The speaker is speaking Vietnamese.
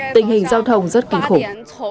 tình hình giao thông rất kinh khủng